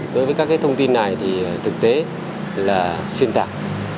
đối với các thông tin này thì thực tế là xuyên tạc